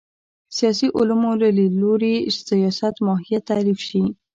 سیاسي علومو له لید لوري سیاست ماهیت تعریف شي